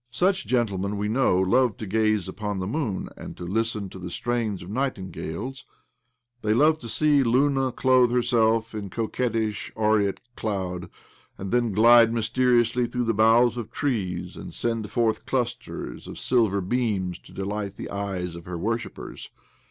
Such gentlemen, we know, love to gaze upon the moon, and to listen to the strains of nightingales ; they love to see Luna clothe herself in coquettish, aureate cloud, and then glide mysteriously through the boughs of trees, and send forth clusters of silver beams to delight the eyes of her worshippers.